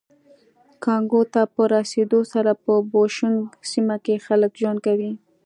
کانګو ته په رسېدو سره په بوشونګ سیمه کې خلک ژوند کوي